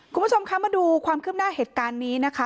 คุณผู้ชมคะมาดูความคืบหน้าเหตุการณ์นี้นะคะ